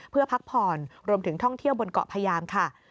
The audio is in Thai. เพื่อพักผ่อนรวมถึงท่องเที่ยวบนเกาะพยามค่ะ